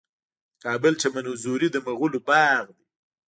د کابل چمن حضوري د مغلو باغ دی